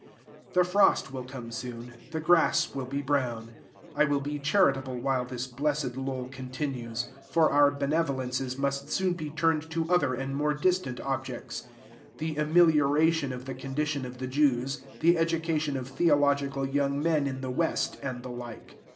The frost will soon come; the grass will be brown. I will be charitable while this blessed lull continues: for our benevolences must soon be turned to other and more distant objects, the amelioration of the condition of the Jews, the education of theological young men in the West, and the like.